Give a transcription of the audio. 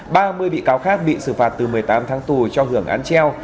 ba mươi bị cáo khác bị xử phạt từ một mươi tám tháng tù cho hưởng án treo